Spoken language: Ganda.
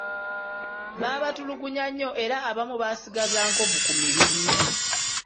Baabatulugunya nnyo era abamu baasigaza nkovu ku mibiri.